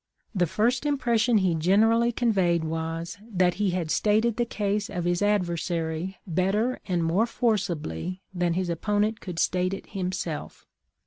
The first impression he generally conveyed was, that he had stated the case of his adversary better and more forcibly than his opponent could state it himself.